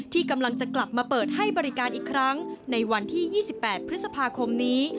ที่กำลังจะกลับมาเปิดให้บริการอีกครั้งในวันที่๒๘พฤษภาคมนี้